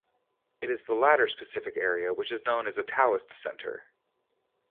It is the latter specific area which is known as a Taoist center.